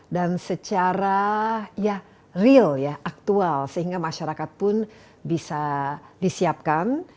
dan secara real aktual sehingga masyarakat pun bisa disiapkan